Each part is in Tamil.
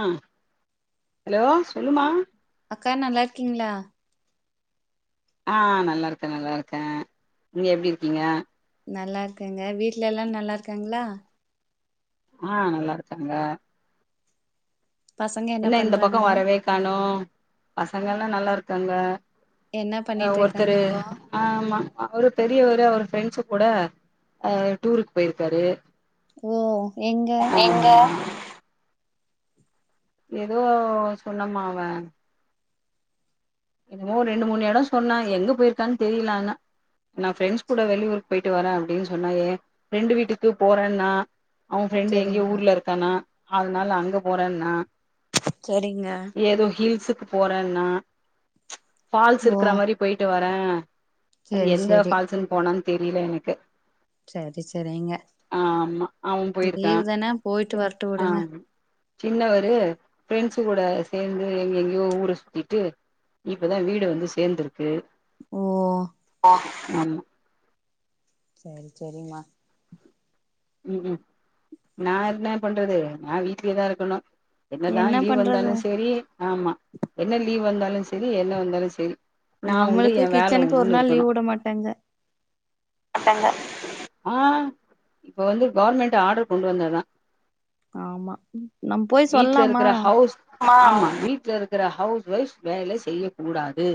ஆ ஹலோ சொல்லுமா அக்கா நல்லா இருக்கீங்களா ஆ நல்லா இருக்கே நல்லா இருக்கே நீங்க எப்டி இருக்கீங்க நல்லா இருக்கேங்க வீட்ல எல்லா நல்லா இருக்காங்களா ஆ நல்லா இருக்காங்க பசங்க என்ன இந்த பக்கோ பண்றாங்க வரவே காணோ பசங்க எல்லா நல்லா இருக்காங்க என்ன ஆ பண்ணிட்டு இருக்காங்க ஒருத்தரு இப்போ ஆமா அவரு பெரியவரு அவரு ஃப்ரெண்ட்ஸ்ஸு கூட ஆ டூருக்கு போயிருக்காரு ஓ எங்க எங்க ஏதோ சொன்னம்மா அவே என்னமோ ரெண்டு மூணு இடோ சொன்னா எங்க போயிருக்கான்னு தெரியல ஆனா நா ஃப்ரெண்ட்ஸ் ச- கூட வெளியூருக்கு போயிட்டு வரே அப்டின்னு சொன்னா ஏ ஃப்ரெண்டு வீட்டுக்கு போறேன்னா அவுங்க ஃப்ரெண்டு எங்கேயோ சரிங்க ஊர்ல இருக்கானா அதனால அங்க போறேன்ன்னா சரிங்க ஏதோ ஹில்ஸுக்கு போறேன்னா ஃபால்ஸ் ஓ இருக்குற மாரி போயிட்டு வரே அது சரி எந்த சரி ஃபால்ஸ்ன்னு போனான்னு தெரியல எனக்கு சரி சரிங்க ஆமா அவே போயிருக்கா லீவ் தானே போயிட்டு வரட்டு ஆ விடுங்க சின்னவரு பிரெண்ட்ஸ் கூட சேந்து எங்க எங்கயோ ஊர சுத்தீட்டு இப்பதா வீடு வந்து சேந்துருக்கு ஓ ஆமா சரி சரிம்மா ம் ம் நா இருந்து என்ன பண்றது நா வீட்லயேதா இருக்கணு என்னதா என்ன லீவ் பண்றது வந்தாலு செரி ஆமா என்ன லீவ் வந்தாலு செரி என்ன வந்தாலு செரி நா உண்டு நம்மளுக்கு ஏ வேல கிச்சனுக்கு ஒரு உண்டுன்னு நாள் இருக்கணு லீவ் விட மாட்டாங்க அட்டாங்க ஆ இப்ப வந்து கவர்மெண்ட் ஆர்டர் கொண்டு வந்தாதா ஆமா நம்ம போய் சொல்லலாமா ஹவுஸ் ஆமா வீட்ல இருக்குற ஹவுஸ் ஒய்ஃப் வேல செய்யக் கூடாது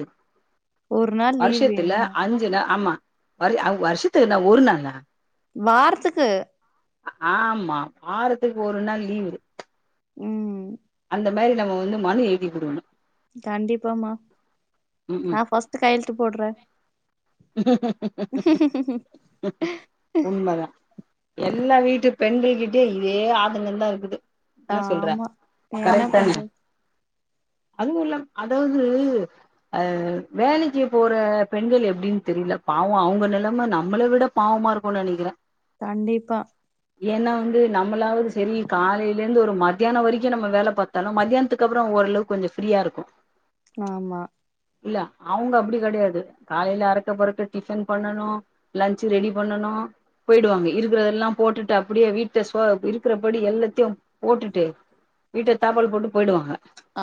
ஒரு நாள் லீவ் வருஷத்துல வேணு அஞ்சி நாள் ஆமா வரு வருஷத்துக்கு என்ன ஒரு நாளா வாரத்துக்கு ஆமா வாரத்துக்கு ஒரு நாள் லீவு ம் இந்த மாரி நம்ம வந்து மனு எழுதி குடுக்கணு கண்டிப்பாம்மா ம் நா ம் ஃபர்ஸ்ட் கையெழுத்து போடுறே உண்மதா எல்லா வீட்டுப் பெண்கள்கிட்டயு இதே ஆதங்கோ தா இருக்குது என்ன சொல்ற ஆமா என்ன கரெக்டுதான பண்றது அதுவு இல்லமா அதாவது ஆ வேலைக்கி போற பெண்கள் எப்டின்னு தெரில இல்ல பாவோ அவுங்க நெலம நம்மள விட பாவமா இருக்குன்னு நெனக்கிறே கண்டிப்பா ஏன்னா வந்து நம்மளாவது செரி காலேலருந்து ஒரு மத்யானோ வரைக்கு நம்ம வேல பாத்தாலு மத்யானத்துக்கு அப்பறோ ஓரளவுக் கொஞ்சோ ஃப்ரீயா இருக்கு ஆமா இல்ல அவுங்க அப்டி கெடையாது காலேல அறக்க பறக்க டிஃபன் பண்ணனு லன்ச் ரெடி பண்ணனு போயிடுவாங்க இருக்கிறதெல்லாம் போட்டுட்டு அப்டியே வீட்ட சோ இருக்கிறபடி எல்லாத்தையும் போட்டுட்டு வீட்ட தாப்பள் போட்டு போயிடுவாங்க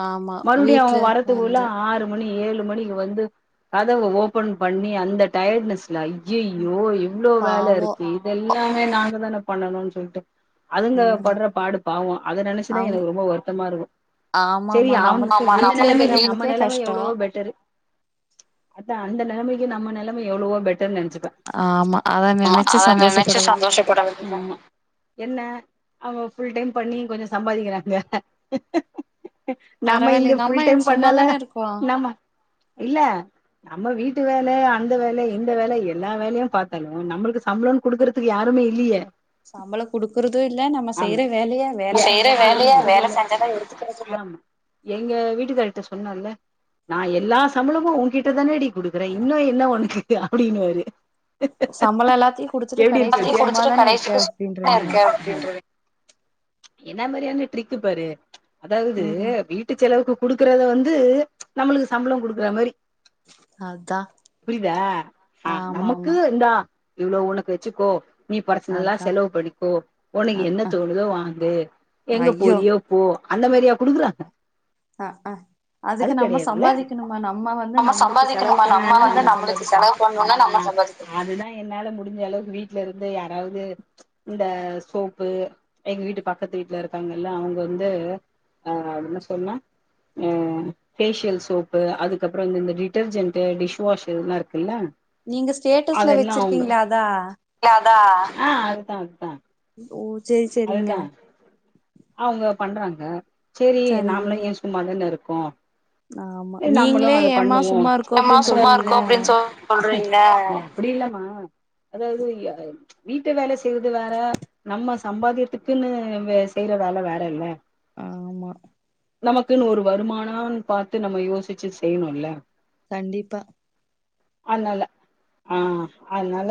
ஆமா மறுபடியு வீட்ல அவங்க வரத்துக்குள்ள வந்து ஆறு மணி ஏழு மணிக்கு வந்து கதவை ஓபன் பண்ணி அந்த டயர்ட்னஸ் ஐயையோ இவ்ளோ வேல பாவோ இருக்கு இதெல்லாமே நாங்க தானே பண்ணணுனு சொல்ட்டு அதுங்க ம் படுற பாடு பாவம் அதை நெனைச்சுதா அவங்க எனக்கு ரொம்ப வருத்தமா இருக்கு ஆமா செரி ஆமா அவ் நம்மளுக்கு அந்த வீட்ல நெலமைக்கி நம்ம இருக்கிறவங்களுக்கே நெலைம கஷ்டோ எவ்ளோ பெட்டரு அதா அந்த நெலமைக்கு நம்ம நெலைம எவ்ளவோ பெட் ஆமா அத ஆமா நெனைச்சு அத நெனச்சு சந்தோஷப்பட வேண்டியதா சந்தோஷப்பட வேண்டியதுதா அவ ஃபுல் டைம் பண்ணி கொஞ்சோ சம்பாரிக்கிறாங்க நம்ம பரவாயில்ல இங்க ஃபுல் நம்ம டைம் பண்ணாலா சும்மாதானே இருக்கோ நம்ம இல்ல நம்ம வீட் டு வேல அந்த வேல இந்த வேல எல்லா வேலையு பாத்தாலு நம்மளுக்கு சம்ளோனு குடுக்கறதுக்கு யாருமே இல்லையே சம்பளோ குடுக்குறது இல்ல நம்ம செய்யற வேலைய வேல நீ செய்யற செஞ்சதா வேலையா எடுத்துக்கிறது வேலை இல்ல செஞ்சதா எடுத்துக்கிற சொல்ல எங்க வீட்டுக்கார்ட்ட சொன்னால நா எல்லா சம்பளமு உன்கிட்டதானேடி குடுக்குறே இன்னு என்ன உனக்கு அப்டின்னுவாரு சம்பளோ எல்லாத்தையு குடுத்துட்டு எப்டி கடைசிக்கு சும்மாதானே இருக்க இருக்கே அப்டின்ருவீங்க என்ன மாதிரியான ட்ரிக்கு பாரு அதாவது ம் வீட் ளவுக்கு குடுக்கறத வந்து நம்மளுக்கு சம்பளோ குடுக்குற மாரி அதா புரியுத ஆ ஆமா நமக்கு ஆமா இந்தா இவ்ளோ உனக்கு வச்சுக்கோ நீ பர்ஸ்னால அதா செலவு பண்ணிக்கோ உனக்கு அ என்ன அ தோணுதோ வாங்கு எங்க ஐயோ போறியோ போ அந்த மாரியா குடுக்குறாங்க அஹ் ஆ அது அதுக்கு நம்ம கெடையாதுல்ல சம்பாதிக்கணுமா நம்ம வந்து நம்மளுக்கு செலவு சம்பாதிக்கணுமா பண்ணணும்னா வந்து நம்ம நம்மளுக்கு சம்பாதிக்கணு செலவு பண்ணணுனா நம்ம சம்பாதிக்கணு என்னால முடிஞ்ச அளவுக்கு வீட்டுல இருந்து யாராவது இந்த சோப்பு எங்க வீட்டு பக்கத்து வீட்டுல இருக்காங்கல்லா அவங்க வந்து ஆ என்ன சொன்னா அ பேஃஷியல் சோப்பு அதுக்கப்புற இந்த இந்த டிட்டர்ஜென்ட் டிஷ்வாஷ் இதெல்லா இருக்குல்ல நீங்க ஸ்டேட்டஸ்ல அதெல்லா அவங்க வச்சிருக்கீங்களா அதா ஆ அதுதா அதுதா ஓ சேரி சேரிங்க அதுதா அவங்க பண்றாங்க செரி நாமளு சரிங்கமா இங்க சும்மா தானே இருக் கோ ஆமா நம்மளு நீங்களே அத ஏமா பண்ணுவோ சும்மா இருக்கோ அப்டின்னு சொல்றீங்க அப்டி இல்லமா அதாவது அ வீட்டை வேலை செய்வது வேற நம்ம சம்பாத்தியத்துக்குன்னு செய்யற வேல வேறல்ல ஆமா நமக்குன்னு ஒரு வருமானனு பாத்து நம்ம யோசிச்சு செய்யணுல்ல கண்டிப்பா அதனால ஆ அதனால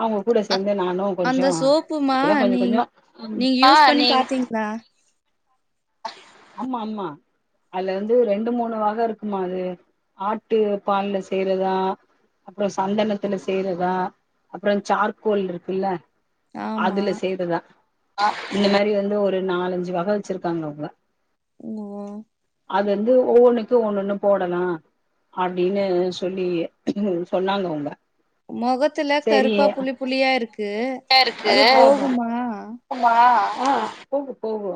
அவங்க கூட அ சேந்து நானு அந்த கொஞ்சோ சோப்புமா இப்பதா கொஞ்சோ நீ கொஞ்சோ ஆ ஆமா ஆமா அதுல வந்து ரெண் டு மூணு வகை இருக்குமா அது ஆட்டு பால்ல செய்றதா அப்றோ சந்தனத்துல செய்றதா அப்றோ ச்சார்கோல் இருக்குல்ல ஆமா அதுல செய்றதா இந்த மாரி வந்து ஒரு நாலஞ்சு வகை வச்சிருக்காங்க அவுங்க ஓ ஒவ்வொன்னுக்கு ஒன்னு ஒன்னு போடலா அப்டின்னு சொல்லி சொன்னாங்க அவுங்க மொகத்துல கருப்பா புள்ளி புள்ளியா இருக்கு இருக்கு அது போகுமா ஆமா ஆ போகு போகு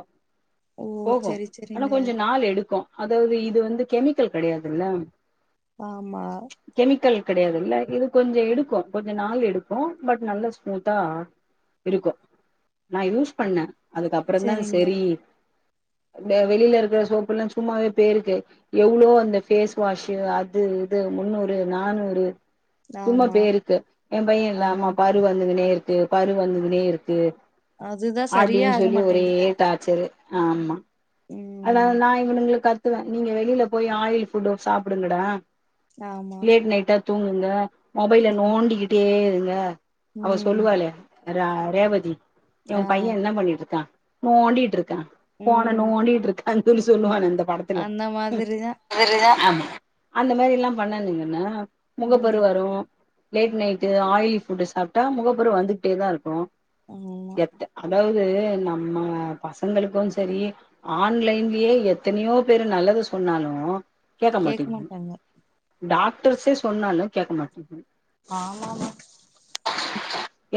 ஓ போகு செரி ஆனா செரிங்க கொஞ்சோ நாள் எடுக்கு அதாவது இது வந்து கெமிக்கல் கெடையாதுல்ல ஆமா கெடையாது இல்ல இது கொஞ்சோ எடுக்கு கொஞ்ச நாள் எடுக்கு பட் நல்ல ஸ்மூத்தா இருக்கு நா யூஸ் பண்ணே அதுக்கப்புறதா செரிங்க சேரி ந்த வெளியில இருக்கிற சோப்புல்லா சும்மாவே போயிருக்கு எவ்ளோ அந்த ஃபேஸ் வாஷ்ஷு அது இது முன்னூறு நானூறு சும்மா ஆமா பேருக்கு என் பைய இல்லாம ஆமாமா பாரு வந்துக்குன்னே இருக்கு பாரு வந்துக்குன்னே இருக்கு அதுதா சரியே அப்டின்னு ஆக சொல்லி ஒரே மாட்டேங்குது டார்ச்சரு ஆமா ம் அதானால நா இவனுங்களா கத்துவே நீங்க வெளியில போய் ஆயில் ஃபுட்டோ சாப்பிடுங்கடா ஆமா லேட் நைட்டா தூங்குங்க மொபைல ம் நோண்டிக்கிட்டே இருங்க அவ ம் சொல்லுவால ரா ரேவதி உ ஆ பைய என்ன பண்ணிட்டுருக்கா நோண்டிட்டு இருக்க ஃபோன ம் நோண்டிட்டு இருக்கானு சொல்லி சொல்லுவானே அந்தப் படத்துல அந்த மாதிரிதா ரியா ஆமா அந்த மாரி எல்லா பண்ணானுங்கன்னா முகப்பரு ம் வரு லேட் நைட்டு ஆயில் ஃபுட்டு் சாப்ட்டா முகப்பரு வந்துக்குட்டே தா இருக்கு ஆமா எத்த அதாவு து நம்ம பசங்களுக்கு செரி ஆன்லைன்லயே எத்தனயோ பேரு நல்லது சொன்னாலு கேட்க கேக்க மாட்டேங்குது மாட்டாங்க டாக்டர்ஸே சொன்னாலு கேட்க மாட்டங் ஆமாமா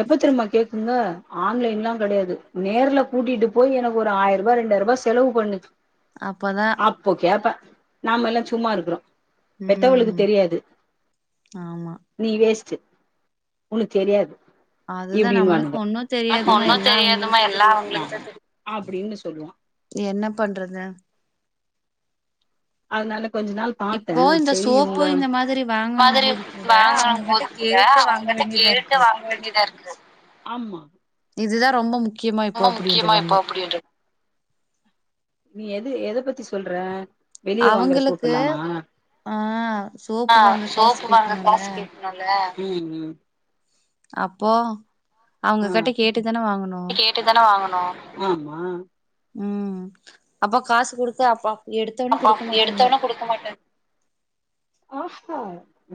எப்பதெரும்மா கேக்குங்க ஆன்லைன்லா கடையாது நேர்ல கூட்டிட்டு போய் எனக்கு ஒரு ஆயிரம் ரூபா ரெண்டாயிரம் ரூபா செலவு பண்ணு அப்பதா அப்போ கேப்பே நாம்மெல்லா சும்மா இருக்குறோ பெத்தவளுக்கு ம் தெரியாது ஆமா நீ வேஸ்ட்டு உனக்கு தெரியாது அதுதா இப்டின்னு நம்மளுக்கு வானுங்க ஒன்னு தெரியாதுமா எல்லா அவங்களுக்குதா தெரியு அப்டின்னு சொல்லுவா என்ன பண்றது அதனால கொஞ்ச நாள் பாத்தே இப்போ இந்த செரி சோப்பு இவங்க இந்த மாதிரி வாங்கனும் போது கூட அவங்ககிட்ட கேட்டு வாங்க வேண்டியதா கேட்டு இருக்கு வாங்க வேண்டியதா இருக்குது இதுதா ரொம்ப முக்கியமா இப்போ அப்டின்றுவாங்க அப்டின்ற நீ எது எத பத்தி சொல்ற வெளிய வாங்குற அவங்களுக்கு சோப்பெல்லாமா ஆ சோப்பு ஆஹ் வாங்க காசு சோப்புவாங்க கேக்கணுல காசு கேட்கனுல்ல அப்போ அவங்க ஆ கிட்ட கேட்டுதானே வாங்கணு கேட்டுதான வாங்கணு ஆமா உம் அப்பா காசு குடுத்து அப்பா அப்பா எடுத்தவுனே குடுக்க மாட்டாங்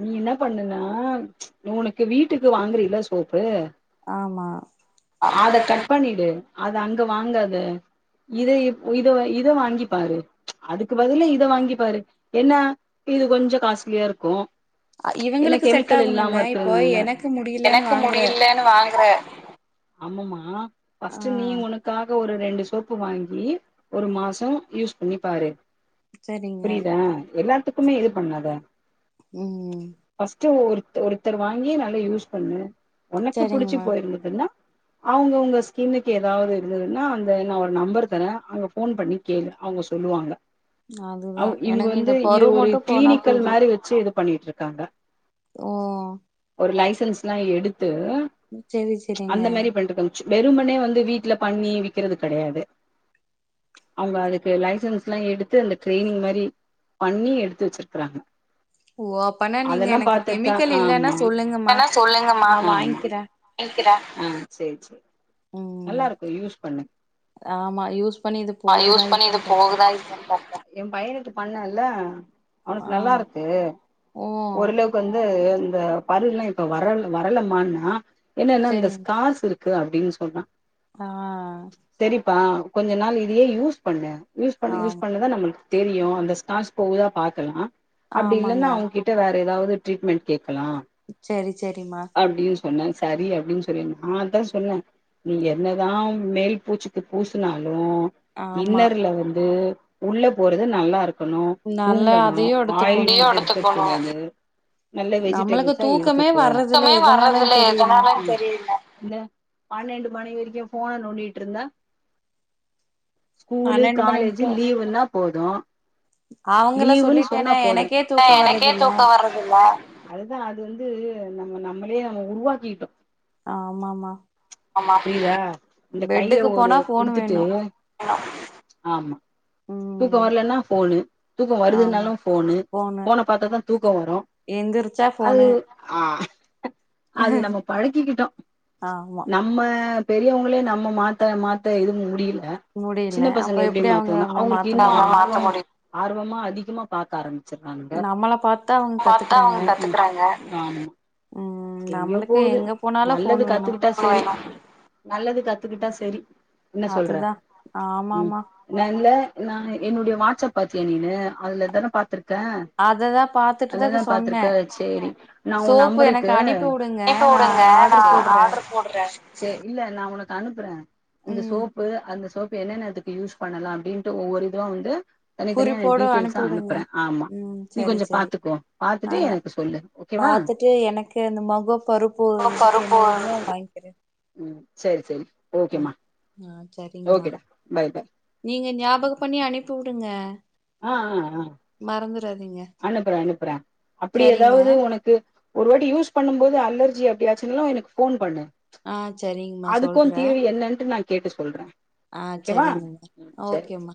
நீ ன்ன பண்ணுனா உனக்கு வீட்டுக்கு வாங்குறீல சோப்பு ஆமா அத கட் பண்ணிடு அது அங்க வாங்காத இது இப் இதவ இது வாங்கிப்பாரு அதுக்கு பதிலா இத வாங்கி பாரு என்ன இது கொஞ்சோ காஸ்ட்லியா இருக்கோ அ என்ன இவங்களுக்கு செட் கெமிக்கல் ஆகணுல்ல இல்லாம இப்போ இருக்கறதுனால எனக்கு முடியலன்னு வாங்குற [inaudible] ஆமம்மா ஆ பஸ்ட்டு நீ உனக்காக ஒரு ரெண்டு சோப்பு வாங்கி ஒரு மாசோ யூஸ் பண்ணி பாரு சரிங்க புரியுதா எல்லாத்துக்குமே இது பண்ணாத ம் ம் ஃபர்ஸ்ட் ஒரு ஒருத்தர் வாங்கி நல்லா யூஸ் பண்ணு உனக்கு புடிச்சு சரிங்கம்மா போயிருந்ததுன்னா அவங்கவுங்க ஸ்கின்னுக்கு ஏதாவது இருந்ததுன்னா அந்த நா ஒரு நம்பர் தர அங்க போன் பண்ணி கேளு அவுங்க சொல்லுவாங்க அதுதா அவ் இவுங்க எனக்கு இந்த வந்து இத பரு ஒரு மட்டு போனா கிளினிக்கல் போது மாரி வெச்சு இது பண்ணிட்டு இருக் காங்க ஓ ஒரு லைசன்ஸ்ல்லா எடுத்து செரி செரிங்க அந்த மாரி பண்ட்ருக்காங்ச்சு வெறுமனே வந்து வீட்ல பண்ணி விக்கிறது கடையாது அவுங்க அதுக்கு லை சன்ஸ்லா எடுத்து அந்த ட்ரெய்னிங் மாரி பண்ணி எடுத்து வெச்சிருக்குறாங்க ஓ அப்பனா நீங்க அதெல்லா எனக்கு பாத்துட் தா கெமிக்கல் இல்லன்னா ஆமா சொல்லுங்கம்மா நா வாங்கிக்கிறே ஆஹ் சேரி சேரி ம் நல்லா இருக்கு யூஸ் பண்ணு ஆமா யூஸ் பண்ணி இது ஆஹ் யூஸ் போகுதா பண்ணிது இல்லையான்னு பாக்குறே போகுதா இல்யான் பாக்ற பண்ணல ஆ அவனுக்கு நல்லார்க்கு ஓ ஓரளவுக்கு வந்து அந்த பருல்லா இப்ப வரல் வரலமான்னா என்ன எல்லா இந்த ஸ்கார்ஸ் இருக்கு அப்டின் சொன்னா ஆஹ் ப கொஞ்ச நாள் இதையே யூஸ் பண்ணு யூஸ் பண்ண யூஸ் ஆமா பண்ணதா நம்மளுக் தெரியு அந்த ஸ்கார்ஸ் போகுதா பாக்கலா அப்டி ஆமாங்க இல்லன்னா அவுங்ககிட்ட வே எதாவது டரீட்மெட் கேக்கலா செரி செரிம்மா சொன்னன் சரி அப்டின் சொல்லிருந்த ஆ அதா சொன்ன நீங்க என்னதா மேல் பூச்சுக்கு பூசுனாலு உ ஆமா இன்னர்ல வந்து உள்ள போறது நல்லாருக் இருக்கணு நல்லா தூங்கணு அதையு ஆய்லி எடுத்துக்கணு எடுத்துக் கூடாது நல்ல நம்மளுக்கு வெஜிடெபிள்ஸா தூக்கமே எடுத்துக்கோ வர்றதில்ல துமே எதனாலன்னு வர்றதில்ல தெரியல எதனாலன் தெரில மணிவரைக்கு ஃபோண நோண்டிட்ருந்தா ஸ்கூலு பன்னெண்டு மணி காலேஜு மட்டு லீவுன்னா போது அவங்கள லீவுன் சொன்னா சொல்லிட்டேனே போது எனக்கே தூக்க வர்றதில்ல அதுதா அது வந்து நம்ம நம்மளே நம்ம உருவாக்கிட்டோ ஆமாமா புரிதா இந்த கைல பெட்டுக்கு ஒரு போனா ஃபோன் குடுத்துட்டு வேணு ஆமா தூக்கோ ம் வர்லன்னா ஃபோனு தூக்கோ ஆமா வருதுனாலு ஃபோனு ஃபோன பாத்தாதா தூக்கோ வரு எந்திரிச்சா அது ஃபோனு ஆஹ் அது நம்ம பழக்கிக்கிட்டோ ஆமா நம்ம பெரியவுங்களே நம்ம மாத்த மாத்த எதுவு முடில் அ முடியல சின்ன பசங்க அப்ப எப்டி மாத்துவாங்க அவங்கள மாத்த முடியு அவுங்களுக்கு [inaudible] ஆர்வமா அதிகமா பாக்க ஆரம் ச்சுர்காங்க நம்மள பாத்துதா அவங்க கத்துக்குறாங்க ஆமா ம் எங்கயோ நம்மளுக்கு போகுது எங்க போனாலு ஃபோன் நல்லது வேணு கத்துக்கிட்டா சரி நல்லது கத்துக்கிட்டா செரி என்ன சொல்ற அதுதா ம் ஆமாமா நல்ல நா என்னுடைய வாட்ஸ்அப் பாத்திய நீனு அதுலதான பாத்துருக் க்க அததா பாத்துட்டுதா அதுலதா சொன்னே பாத்துருக்க சேரி நா உன் சோப்பு நம்பருக் எனக்கு அனுப்பி க்கு உடுங்க நா ஆர்டர் போடுறே சேர் இல்ல நா உனக்கு அனுப்புற இந்த ம் சோப்பு அந்த சோப்பு என்னன்ன இதுக்கு யூஸ் பண்ணலா அப்டின்ட்டு ஒவ்வொரு இதுவா வந்து தனிதனியா குறிப்போடு டீட்யெல்சா அனுப்பி உடுங்க அனுப்புற ஆமா ம் நீ சரி கொஞ்ச சரி பாத்துகோ பாத்துட்டு ஆனா எனக்கு சொல்லு ஓகே பாத்துட்டு எனக்கு இந்த முக பரு ஓ போறதுக்கு என்ன பருப்பு வேணுமோ வாங்கிகிறே ம் சேரி சேரி ம் ஓகேமா ஆஹ் சரிங்மா ஓகேடா பாய் பாய் நீங்க ஞ்யாபக பண்ணி அனுப்பி வுட் வுட்றுங்க மறந்து அனுப்புற அனுப்புற அப்டி சரிங்க எதாவது ஒனக்கு ஒரு வாட்டி யூஸ்ண்ணும்போது அலர்ஜி அப்டியாச்சுன்லா எனக்கு ஃபோன் பண்ணு ஆ சரிங்கம்மா அதுக்கு சொல்றே தீர்வு என்னன்ட்டு நா கேட்டு சொல்ற ஆ ஓகேவா சரிங்கம்மா ம் சரி ஓகேம்மா